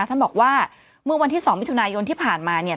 ท่านบอกว่าเมื่อวันที่๒มิถุนายนที่ผ่านมาเนี่ย